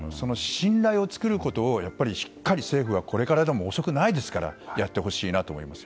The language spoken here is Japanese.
信頼を作ることをこれからも遅くないですから政府はやってほしいなと思います。